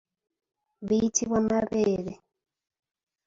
Biyitibwa mabeere.